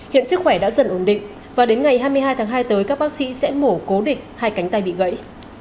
hiện sức khỏe đã dần ổn định và đến ngày hai mươi hai tháng hai tới các bác sĩ sẽ mổ cố định hai cánh tay bị gãy